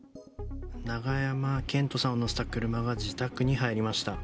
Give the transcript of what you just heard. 永山絢斗さんを乗せた車が自宅に入りました。